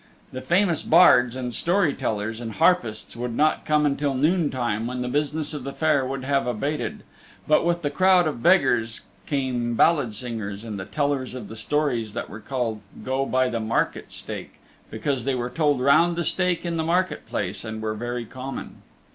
The famous bards, and story tellers and harpists would not come until noon time when the business of the fair would have abated, but with the crowd of beggars came ballad singers, and the tellers of the stories that were called "Go by the Market Stake," because they were told around the stake in the market place and were very common.